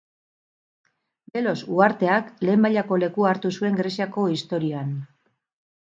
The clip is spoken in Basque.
Delos uharteak lehen mailako lekua hartu zuen Greziako historian.